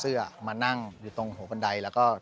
ชื่องนี้ชื่องนี้ชื่องนี้ชื่องนี้ชื่องนี้